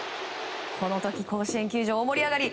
この時甲子園球場、大盛り上がり。